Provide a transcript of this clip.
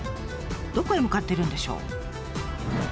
どこへ向かってるんでしょう？